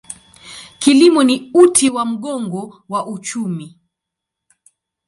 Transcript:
Kilimo ni uti wa mgongo wa uchumi.